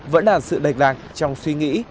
vẫn là sự đầy lạc trong suy nghĩ